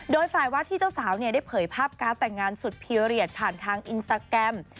โดยฝ่ายวาดที่เจ้าสาวได้เผยภาพการ์ดแต่งงานสุดพีเรียสผ่านทางอินสตาแกรม